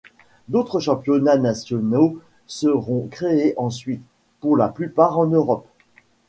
D'autres championnats nationaux seront créés ensuite, pour la plupart en Europe.